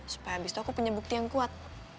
supaya abis itu aku punya bukti yang kuat